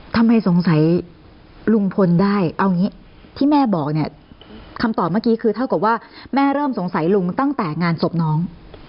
ทำไมสงสัยลุงพลได้เอาอย่างนี้ที่แม่บอกเนี่ยคำตอบเมื่อกี้คือเท่ากับว่าแม่เริ่มสงสัยลุงตั้งแต่งานศพน้อง